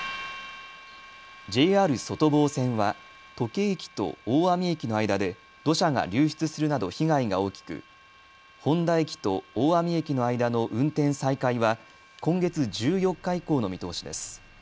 ＪＲ外房線は土気駅と大網駅の間で土砂が流出するなど被害が大きく誉田駅と大網駅の間の運転再開は今月１４日以降の見通しです。